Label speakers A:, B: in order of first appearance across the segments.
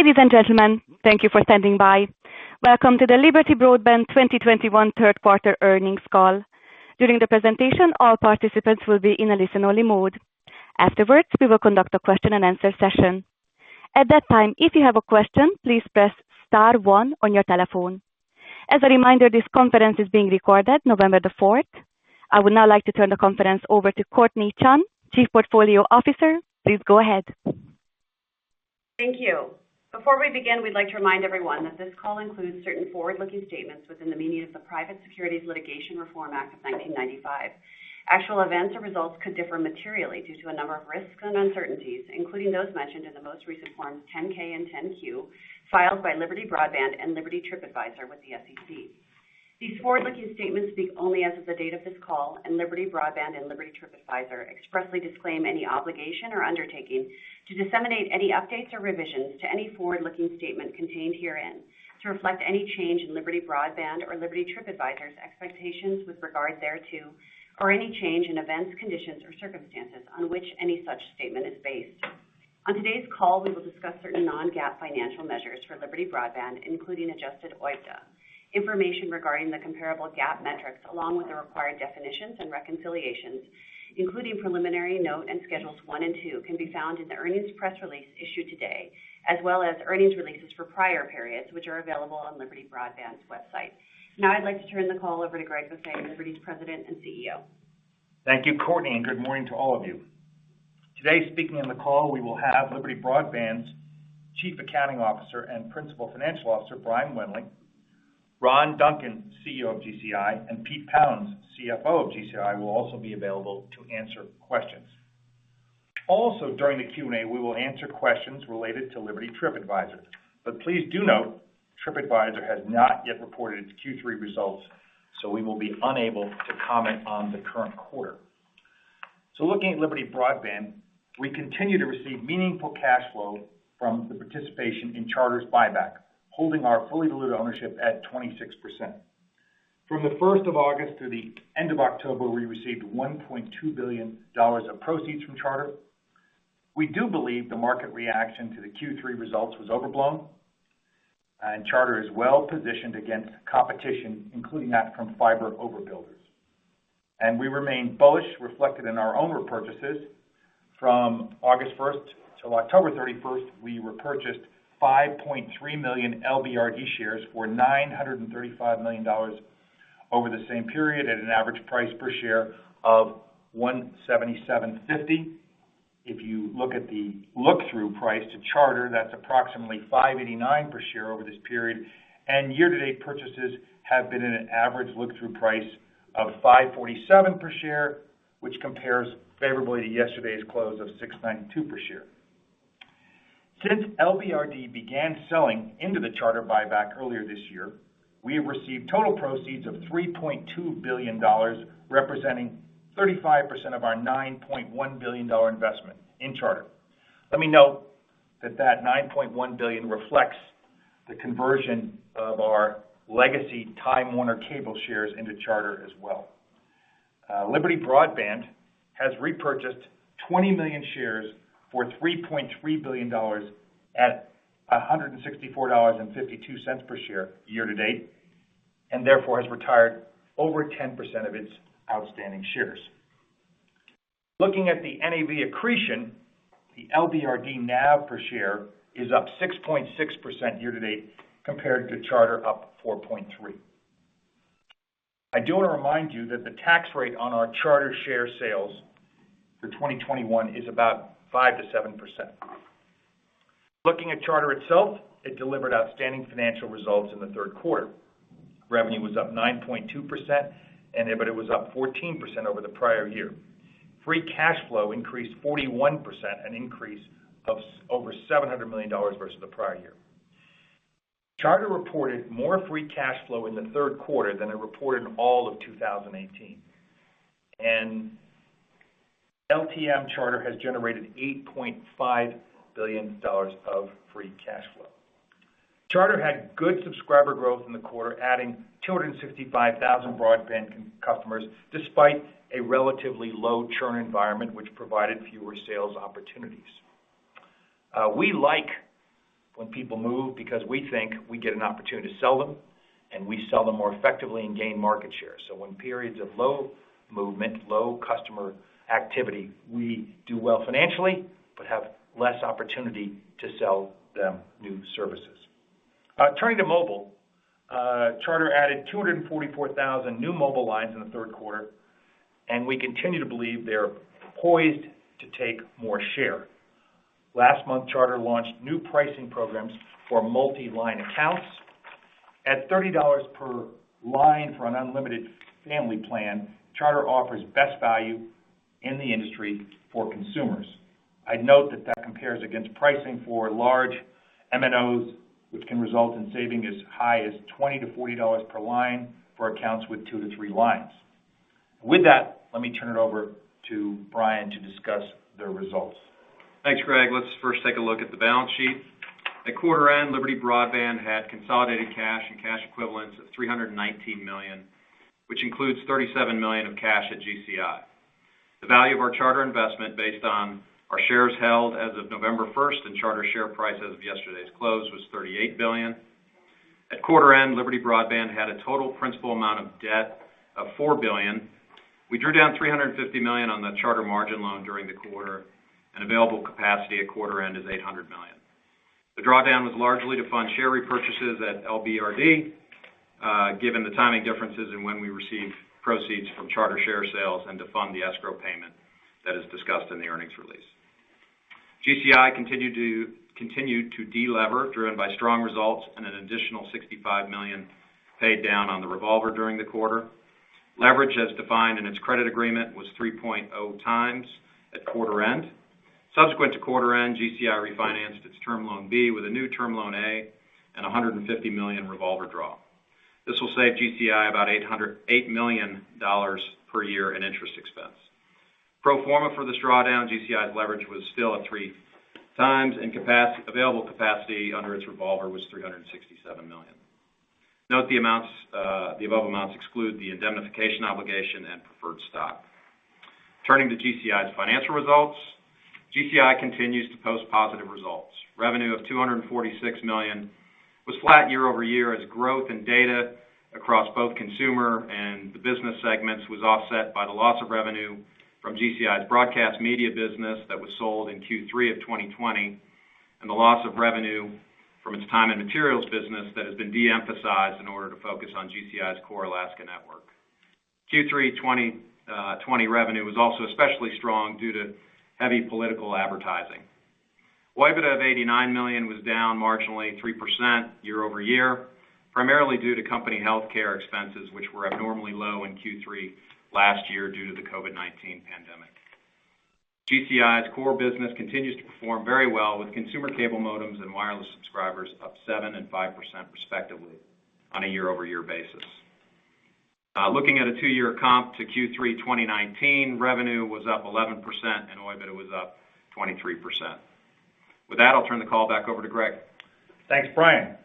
A: Ladies and gentlemen, thank you for standing by. Welcome to the Liberty Broadband 2021 Third Quarter Earnings Call. During the presentation, all participants will be in a listen only mode. Afterwards, we will conduct a question-and-answer session. At that time, if you have a question, please press star one on your telephone. As a reminder, this conference is being recorded November 4th. I would now like to turn the conference over to Courtnee Chun, Chief Portfolio Officer. Please go ahead.
B: Thank you. Before we begin, we'd like to remind everyone that this call includes certain forward-looking statements within the meaning of the Private Securities Litigation Reform Act of 1995. Actual events or results could differ materially due to a number of risks and uncertainties, including those mentioned in the most recent forms 10-K and 10-Q filed by Liberty Broadband and Liberty TripAdvisor with the SEC. These forward-looking statements speak only as of the date of this call, and Liberty Broadband and Liberty TripAdvisor expressly disclaim any obligation or undertaking to disseminate any updates or revisions to any forward-looking statement contained herein to reflect any change in Liberty Broadband or Liberty TripAdvisor expectations with regard thereto, or any change in events, conditions, or circumstances on which any such statement is based. On today's call, we will discuss certain non-GAAP financial measures for Liberty Broadband, including adjusted OIBDA. Information regarding the comparable GAAP metrics along with the required definitions and reconciliations, including preliminary note and schedules one and two, can be found in the earnings press release issued today, as well as earnings releases for prior periods, which are available on Liberty Broadband's website. Now I'd like to turn the call over to Greg Maffei, Liberty's President and CEO.
C: Thank you, Courtnee, and good morning to all of you. Today, speaking on the call, we will have Liberty Broadband's Chief Accounting Officer and Principal Financial Officer, Brian Wendling. Ron Duncan, CEO of GCI, and Pete Pounds, CFO of GCI, will also be available to answer questions. Also, during the Q&A, we will answer questions related to Liberty TripAdvisor. Please do note, TripAdvisor has not yet reported its Q3 results, so we will be unable to comment on the current quarter. Looking at Liberty Broadband, we continue to receive meaningful cash flow from the participation in Charter's buyback, holding our fully diluted ownership at 26%. From the first of August through the end of October, we received $1.2 billion of proceeds from Charter. We do believe the market reaction to the Q3 results was overblown, and Charter is well-positioned against competition, including that from fiber overbuilders. We remain bullish, reflected in our own repurchases. From August 1st to October 31st, we repurchased 5.3 million LBRD shares for $935 million over the same period at an average price per share of $177.50. If you look at the look-through price to Charter, that's approximately $589 per share over this period. Year-to-date purchases have been at an average look-through price of $547 per share, which compares favorably to yesterday's close of $692 per share. Since LBRD began selling into the Charter buyback earlier this year, we have received total proceeds of $3.2 billion, representing 35% of our $9.1 billion investment in Charter. Let me note that $9.1 billion reflects the conversion of our legacy Time Warner Cable shares into Charter as well. Liberty Broadband has repurchased 20 million shares for $3.3 billion at $164.52 per share year to date and therefore has retired over 10% of its outstanding shares. Looking at the NAV accretion, the LBRD NAV per share is up 6.6% year to date compared to Charter up 4.3%. I do want to remind you that the tax rate on our Charter share sales for 2021 is about 5%-7%. Looking at Charter itself, it delivered outstanding financial results in the third quarter. Revenue was up 9.2%, but it was up 14% over the prior year. Free cash flow increased 41%, an increase of over $700 million versus the prior year. Charter reported more free cash flow in the third quarter than it reported in all of 2018. LTM Charter has generated $8.5 billion of free cash flow. Charter had good subscriber growth in the quarter, adding 255,000 broadband customers, despite a relatively low churn environment, which provided fewer sales opportunities. We like when people move because we think we get an opportunity to sell them, and we sell them more effectively and gain market share. When periods of low movement, low customer activity, we do well financially but have less opportunity to sell them new services. Turning to mobile, Charter added 244,000 new mobile lines in the third quarter, and we continue to believe they're poised to take more share. Last month, Charter launched new pricing programs for multi-line accounts. At $30 per line for an unlimited family plan, Charter offers best value in the industry for consumers. I'd note that that compares against pricing for large MNOs, which can result in saving as high as $20-$40 per line for accounts with two to three lines. With that, let me turn it over to Brian to discuss the results.
D: Thanks, Greg. Let's first take a look at the balance sheet. At quarter end, Liberty Broadband had consolidated cash and cash equivalents of $319 million, which includes $37 million of cash at GCI. The value of our Charter investment based on our shares held as of November 1st, and Charter share price as of yesterday's close was $38 billion. At quarter end, Liberty Broadband had a total principal amount of debt of $4 billion. We drew down $350 million on the Charter margin loan during the quarter, and available capacity at quarter end is $800 million. The drawdown was largely to fund share repurchases at LBRD, given the timing differences in when we received proceeds from Charter share sales and to fund the escrow payment that is discussed in the earnings release. GCI continued to delever, driven by strong results and an additional $65 million paid down on the revolver during the quarter. Leverage, as defined in its credit agreement, was 3.0x at quarter end. Subsequent to quarter end, GCI refinanced its Term Loan B with a new Term Loan A and $150 million revolver draw. This will save GCI about $8 million per year in interest expense. Pro forma for this drawdown, GCI's leverage was still at 3x, and available capacity under its revolver was $367 million. Note, the above amounts exclude the indemnification obligation and preferred stock. Turning to GCI's financial results. GCI continues to post positive results. Revenue of $246 million was flat year-over-year as growth in data across both consumer and the business segments was offset by the loss of revenue from GCI's broadcast media business that was sold in Q3 of 2020, and the loss of revenue from its time and materials business that has been de-emphasized in order to focus on GCI's core Alaska network. Q3 2020 revenue was also especially strong due to heavy political advertising. OIBDA of $89 million was down marginally 3% year-over-year, primarily due to company healthcare expenses, which were abnormally low in Q3 last year due to the COVID-19 pandemic. GCI's core business continues to perform very well, with consumer cable modems and wireless subscribers up 7% and 5% respectively on a year-over-year basis. Looking at a two-year comp to Q3 2019, revenue was up 11% and OIBDA was up 23%. With that, I'll turn the call back over to Greg.
C: Thanks, Brian.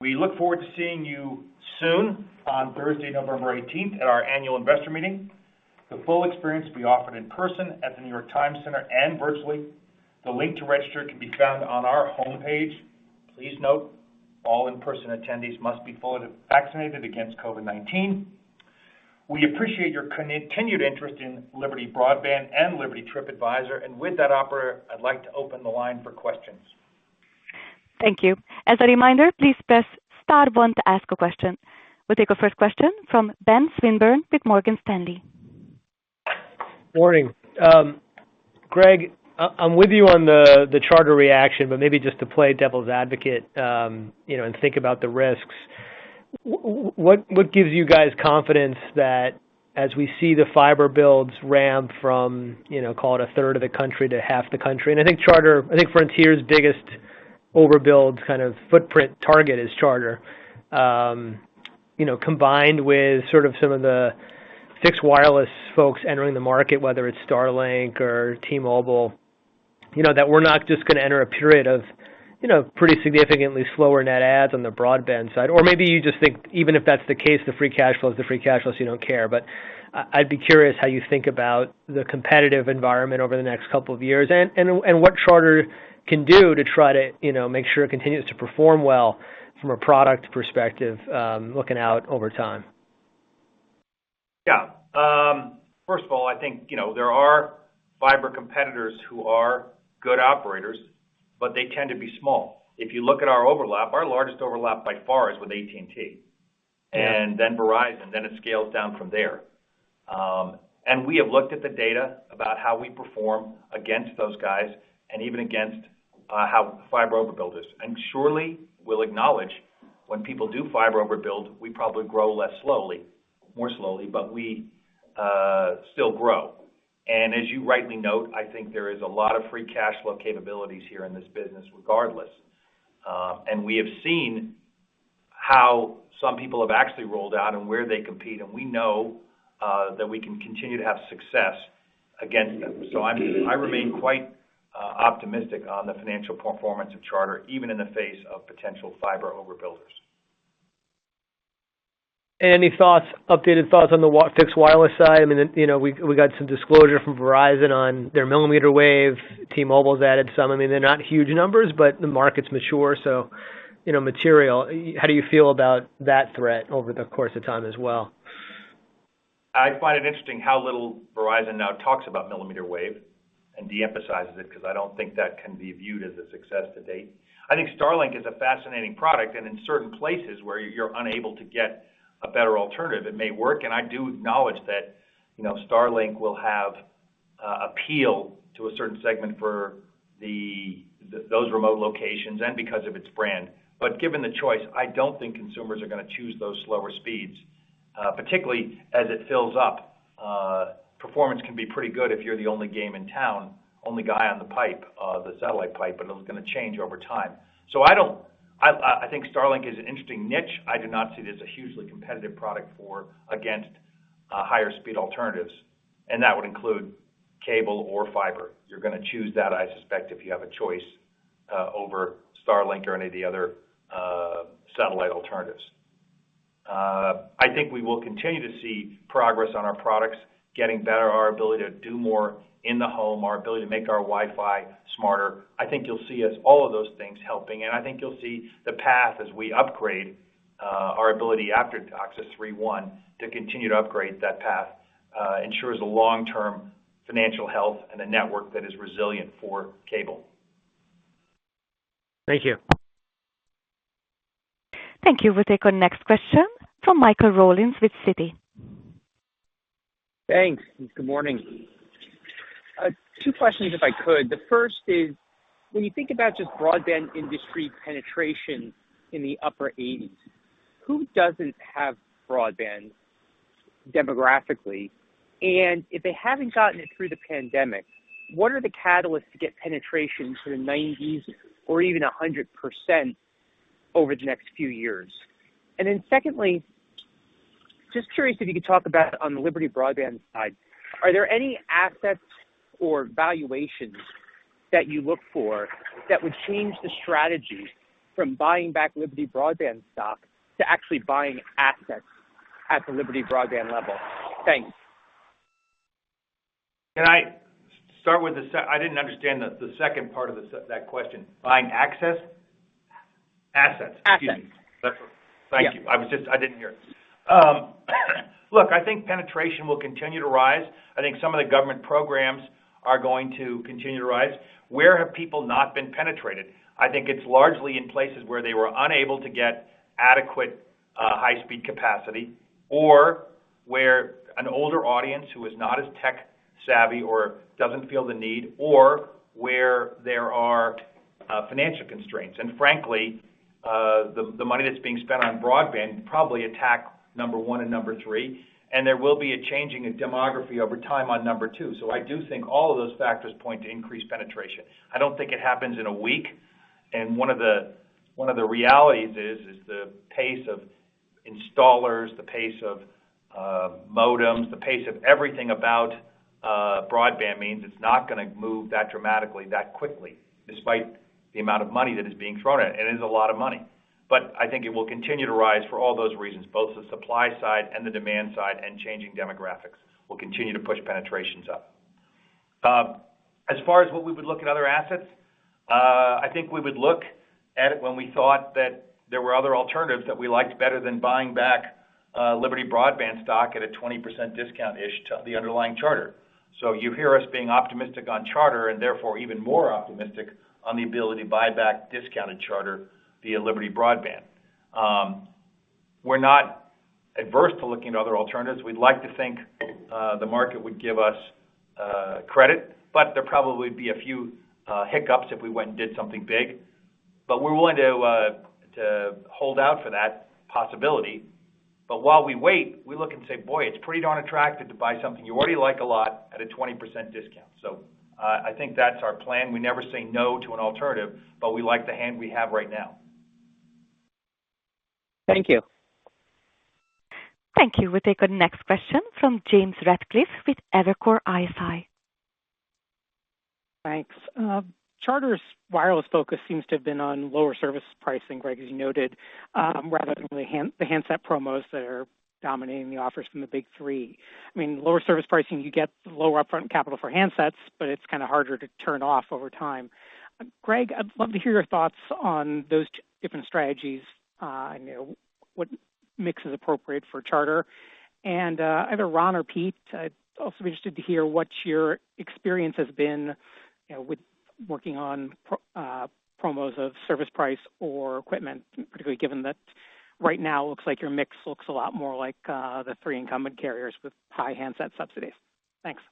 C: We look forward to seeing you soon on Thursday, November 18th, at our annual investor meeting. The full experience will be offered in person at The Times Center and virtually. The link to register can be found on our homepage. Please note, all in-person attendees must be fully vaccinated against COVID-19. We appreciate your continued interest in Liberty Broadband and Liberty TripAdvisor. With that, operator, I'd like to open the line for questions.
A: Thank you. As a reminder, please press star one to ask a question. We'll take our first question from Ben Swinburne with Morgan Stanley.
E: Morning. Greg, I'm with you on the Charter reaction, but maybe just to play devil's advocate, you know, and think about the risks. What gives you guys confidence that as we see the fiber builds ramp from, you know, call it a third of the country to half the country. I think Frontier's biggest overbuild kind of footprint target is Charter. You know, combined with sort of some of the fixed wireless folks entering the market, whether it's Starlink or T-Mobile, you know, that we're not just gonna enter a period of, you know, pretty significantly slower net adds on the broadband side. Or maybe you just think even if that's the case, the free cash flow is the free cash flow, so you don't care. I'd be curious how you think about the competitive environment over the next couple of years and what Charter can do to try to, you know, make sure it continues to perform well from a product perspective, looking out over time.
C: Yeah. First of all, I think, there are fiber competitors who are good operators, but they tend to be small. If you look at our overlap, our largest overlap by far is with AT&T.
E: Yeah.
C: Then Verizon, then it scales down from there. We have looked at the data about how we perform against those guys and even against how fiber overbuilders. Surely, we'll acknowledge when people do fiber overbuild, we probably grow more slowly, but we still grow. As you rightly note, I think there is a lot of free cash flow capabilities here in this business regardless. We have seen how some people have actually rolled out and where they compete, and we know that we can continue to have success against them. I remain quite optimistic on the financial performance of Charter, even in the face of potential fiber overbuilders.
E: Any thoughts, updated thoughts on the fixed wireless side? I mean, you know, we got some disclosure from Verizon on their millimeter wave. T-Mobile's added some. I mean, they're not huge numbers, but the market's mature, so, you know, material. How do you feel about that threat over the course of time as well?
C: I find it interesting how little Verizon now talks about millimeter wave and de-emphasizes it, because I don't think that can be viewed as a success to date. I think Starlink is a fascinating product, and in certain places where you're unable to get a better alternative, it may work, and I do acknowledge that, you know, Starlink will have appeal to a certain segment for those remote locations and because of its brand. But given the choice, I don't think consumers are gonna choose those slower speeds, particularly as it fills up. Performance can be pretty good if you're the only game in town, only guy on the pipe, the satellite pipe, but it's gonna change over time. I think Starlink is an interesting niche. I do not see it as a hugely competitive product against higher speed alternatives, and that would include cable or fiber. You're gonna choose that, I suspect, if you have a choice, over Starlink or any of the other satellite alternatives. I think we will continue to see progress on our products getting better, our ability to do more in the home, our ability to make our Wi-Fi smarter. I think you'll see all of those things helping, and I think you'll see the path as we upgrade our ability after DOCSIS 3.1 to continue to upgrade that path ensures the long-term financial health and a network that is resilient for cable.
E: Thank you.
A: Thank you. We'll take our next question from Michael Rollins with Citi.
F: Thanks. Good morning. Two questions if I could. The first is, when you think about just broadband industry penetration in the upper 80s, who doesn't have broadband demographically? And if they haven't gotten it through the pandemic, what are the catalysts to get penetration to the 90s or even 100% over the next few years? And then secondly, just curious if you could talk about on the Liberty Broadband side, are there any assets or valuations that you look for that would change the strategy from buying back Liberty Broadband stock to actually buying assets at the Liberty Broadband level? Thanks.
C: I didn't understand the second part of that question. Buying access?
F: Assets.
C: Assets. Excuse me.
F: Yeah.
C: Thank you. I didn't hear. Look, I think penetration will continue to rise. I think some of the government programs are going to continue to rise. Where have people not been penetrated? I think it's largely in places where they were unable to get adequate high-speed capacity, or where an older audience who is not as tech-savvy or doesn't feel the need or where there are financial constraints. Frankly, the money that's being spent on broadband probably will tackle number one and number three, and there will be a change in demography over time on number two. I do think all of those factors point to increased penetration. I don't think it happens in a week, and one of the realities is the pace of installers, the pace of modems, the pace of everything about broadband means it's not gonna move that dramatically, that quickly, despite the amount of money that is being thrown at. It is a lot of money. I think it will continue to rise for all those reasons, both the supply side and the demand side, and changing demographics will continue to push penetrations up. As far as what we would look at other assets, I think we would look at it when we thought that there were other alternatives that we liked better than buying back Liberty Broadband stock at a 20% discount-ish to the underlying Charter. You hear us being optimistic on Charter and therefore even more optimistic on the ability to buy back discounted Charter via Liberty Broadband. We're not adverse to looking at other alternatives. We'd like to think the market would give us credit, but there probably would be a few hiccups if we went and did something big. We're willing to hold out for that possibility. While we wait, we look and say, "Boy, it's pretty darn attractive to buy something you already like a lot at a 20% discount." I think that's our plan. We never say no to an alternative, but we like the hand we have right now.
F: Thank you.
A: Thank you. We'll take our next question from James Ratcliffe with Evercore ISI.
G: Thanks. Charter's wireless focus seems to have been on lower service pricing, Greg, as you noted, rather than the handset promos that are dominating the offers from the big three. I mean, lower service pricing, you get lower upfront capital for handsets, but it's kinda harder to turn off over time. Greg, I'd love to hear your thoughts on those two different strategies. You know, what mix is appropriate for Charter? Either Ron or Pete, I'd also be interested to hear what your experience has been, you know, with working on promos of service price or equipment, particularly given that right now looks like your mix looks a lot more like the three incumbent carriers with high handset subsidies. Thanks.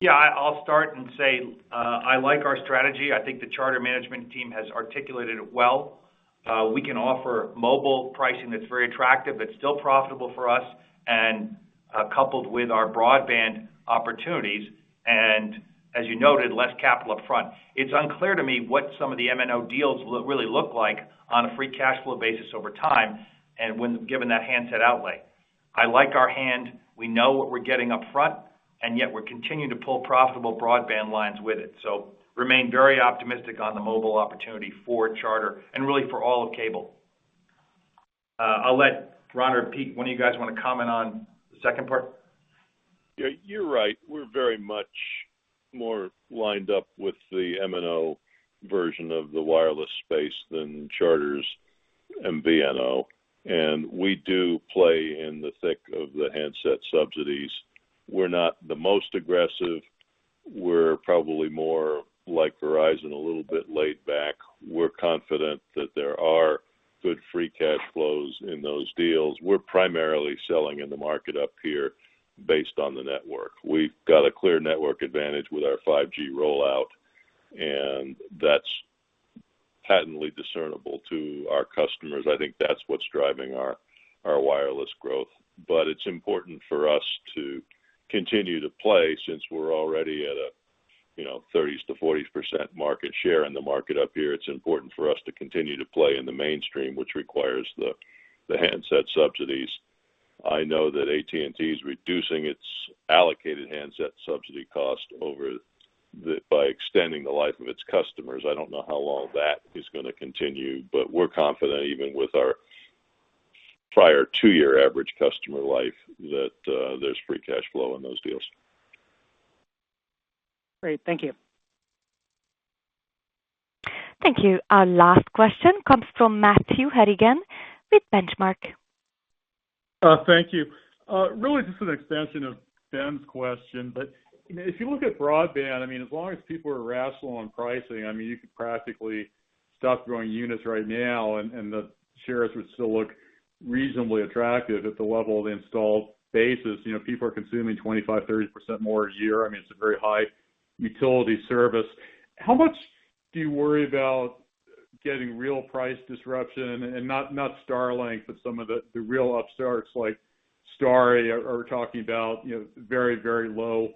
C: Yeah. I'll start and say I like our strategy. I think the Charter management team has articulated it well. We can offer mobile pricing that's very attractive, but still profitable for us, and coupled with our broadband opportunities, and as you noted, less capital upfront. It's unclear to me what some of the MNO deals look really like on a free cash flow basis over time and when given that handset outlay. I like our hand. We know what we're getting up front, and yet we're continuing to pull profitable broadband lines with it. Remain very optimistic on the mobile opportunity for Charter and really for all of cable. I'll let Ron or Pete, one of you guys wanna comment on the second part.
H: Yeah, you're right. We're very much more lined up with the MNO version of the wireless space than Charter's MVNO, and we do play in the thick of the handset subsidies. We're not the most aggressive. We're probably more like Verizon, a little bit laid back. We're confident that there are good free cash flows in those deals. We're primarily selling in the market up here based on the network. We've got a clear network advantage with our 5G rollout, and that's patently discernible to our customers. I think that's what's driving our wireless growth. It's important for us to continue to play since we're already at a, you know, 30%-40% market share in the market up here. It's important for us to continue to play in the mainstream, which requires the handset subsidies. I know that AT&T is reducing its allocated handset subsidy cost by extending the life of its customers. I don't know how long that is gonna continue, but we're confident even with our prior two-year average customer life that there's free cash flow in those deals.
G: Great. Thank you.
A: Thank you. Our last question comes from Matthew Harrigan with Benchmark.
I: Thank you. Really just an extension of Ben's question, but if you look at broadband, I mean, as long as people are rational on pricing, I mean, you could practically stop growing units right now, and the shares would still look reasonably attractive at the level of the installed base as, you know, people are consuming 25%, 30% more a year. I mean, it's a very high utility service. How much do you worry about getting real price disruption and not Starlink, but some of the real upstarts like Starry are talking about, you know, very, very low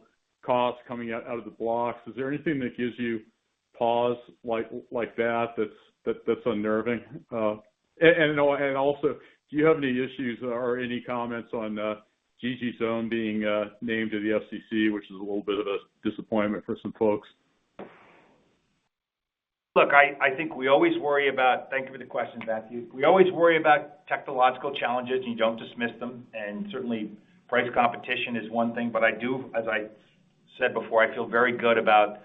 I: costs coming out of the blocks. Is there anything that gives you pause like that that's unnerving? Also, do you have any issues or any comments on Gigi Sohn being named to the FCC, which is a little bit of a disappointment for some folks?
C: Look, I think we always worry about. Thank you for the question, Matthew. We always worry about technological challenges, and you don't dismiss them. Certainly price competition is one thing. But I do, as I said before, I feel very good about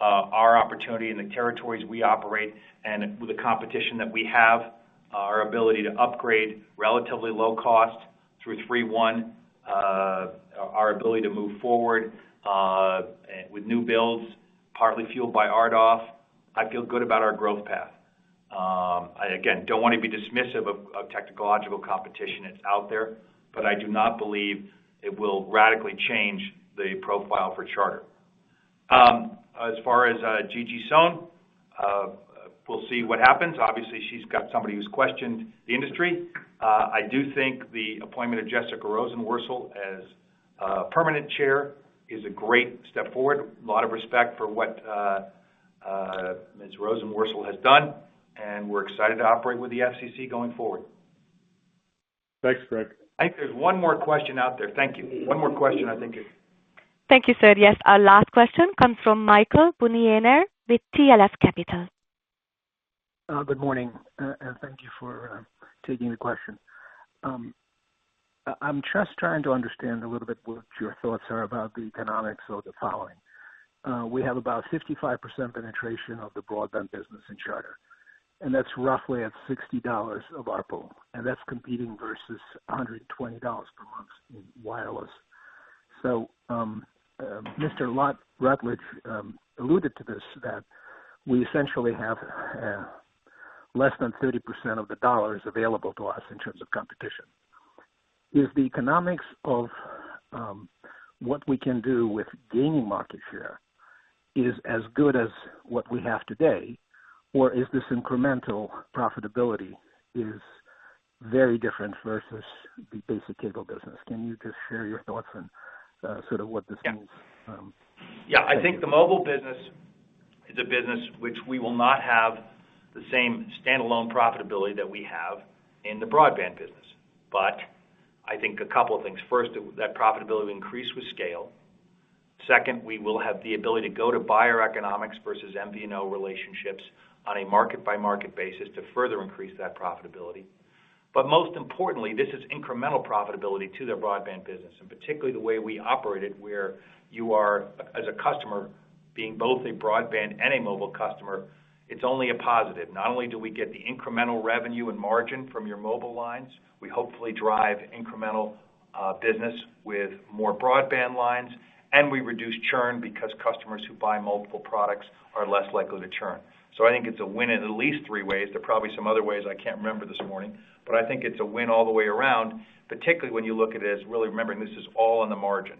C: our opportunity in the territories we operate and with the competition that we have, our ability to upgrade relatively low cost through 3.1, our ability to move forward with new builds, partly fueled by RDOF. I feel good about our growth path. I again don't want to be dismissive of technological competition that's out there, but I do not believe it will radically change the profile for Charter. As far as Gigi Sohn, we'll see what happens. Obviously, she's got somebody who's questioned the industry. I do think the appointment of Jessica Rosenworcel as permanent Chair is a great step forward. A lot of respect for what Ms. Rosenworcel has done, and we're excited to operate with the FCC going forward.
I: Thanks, Greg.
C: I think there's one more question out there. Thank you. One more question, I think.
A: Thank you, sir. Yes. Our last question comes from Michael Bunyaner with TLF Capital.
J: Good morning and thank you for taking the question. I'm just trying to understand a little bit what your thoughts are about the economics of the following. We have about 55% penetration of the broadband business in Charter, and that's roughly at $60 of ARPU, and that's competing versus $120 per month in wireless. Mr. Rutledge alluded to this, that we essentially have less than 30% of the dollars available to us in terms of competition. Is the economics of what we can do with gaining market share as good as what we have today, or is this incremental profitability very different versus the basic cable business? Can you just share your thoughts on sort of what this means?
C: Yeah. I think the mobile business is a business which we will not have the same standalone profitability that we have in the broadband business. I think a couple of things. First, that profitability will increase with scale. Second, we will have the ability to go to buyer economics versus MVNO relationships on a market-by-market basis to further increase that profitability. Most importantly, this is incremental profitability to the broadband business, and particularly the way we operate it, where you are, as a customer, being both a broadband and a mobile customer, it's only a positive. Not only do we get the incremental revenue and margin from your mobile lines, we hopefully drive incremental business with more broadband lines, and we reduce churn because customers who buy multiple products are less likely to churn. I think it's a win in at least three ways. There are probably some other ways I can't remember this morning, but I think it's a win all the way around, particularly when you look at it as really remembering this is all on the margin.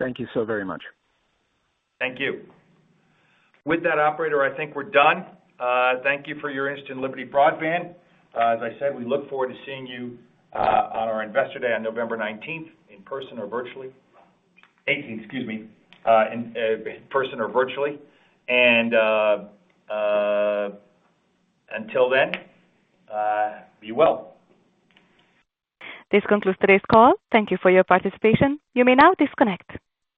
J: Thank you so very much.
C: Thank you. With that, operator, I think we're done. Thank you for your interest in Liberty Broadband. As I said, we look forward to seeing you on our Investor Day on November 19th in person or virtually. Until then, be well.
A: This concludes today's call. Thank you for your participation. You may now disconnect.